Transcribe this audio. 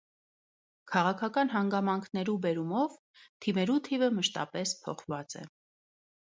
Քաղաքական հանգամանքներու բերումով թեմերու թիւը մշտապէս փոխուած է։